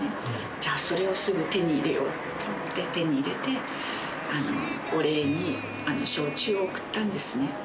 じゃあそれをすぐ手に入れようっていって手に入れて、お礼に焼酎を贈ったんですね。